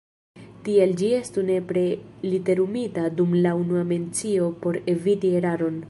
Tial ĝi estu nepre literumita dum la unua mencio por eviti eraron.